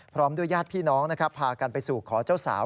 พร้อมด้วยญาติพี่น้องนะครับพากันไปสู่ขอเจ้าสาว